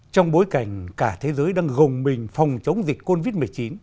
trong bối cảnh cả thế giới đang gồng mình phòng chống dịch covid một mươi chín